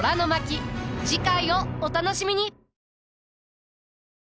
次回をお楽しみに！